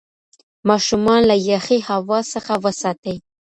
ماشومان له یخې هوا څخه وساتئ.